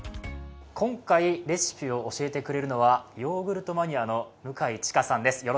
今回レシピを教えてくれるのはヨーグルトマニアの向井智香さんです。